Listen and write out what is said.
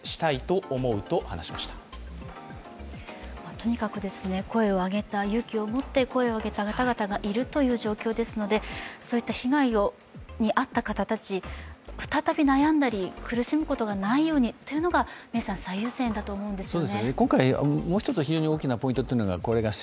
とにかく声を上げた勇気を持って、声を上げた方々がいる状況ですので被害に遭った方たち、再び悩んだり苦しむことがないようにということが最優先だと思うんですよね。